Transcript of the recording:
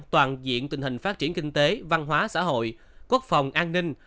toàn diện tình hình phát triển kinh tế văn hóa xã hội quốc phòng an ninh